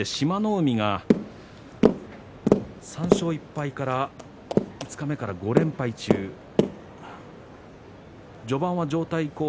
海は３勝１敗から五日目から５連敗中です。